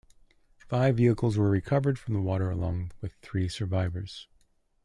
Five vehicles were recovered from the water along with three survivors.